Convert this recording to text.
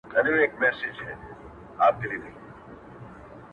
• نه به یې د ستورو غاړګۍ درته راوړې وي ,